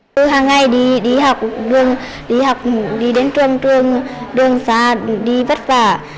tôi hàng ngày đi học đi học đi đến trường trường đường xa đi vất vả